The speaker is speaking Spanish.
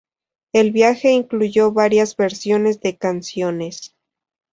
El viaje incluyó varias versiones de canciones.